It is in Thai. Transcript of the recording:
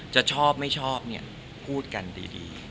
จะชอบไม่ชอบเนี่ยพูดกันดี